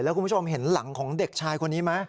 คุณผู้ชมเห็นหลังของเด็กชายคนนี้ไหม